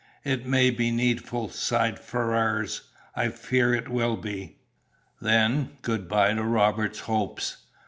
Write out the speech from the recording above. "It may be needful," sighed Ferrars. "I fear it will be." "Then, good bye to Robert's hopes!